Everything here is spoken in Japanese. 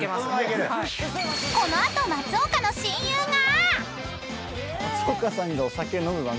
［この後松岡の親友が］